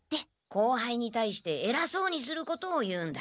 後輩に対してえらそうにすることを言うんだ。